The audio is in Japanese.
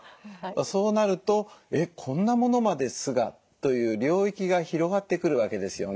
そうなると「えっこんなものまで酢が」という領域が広がってくるわけですよね。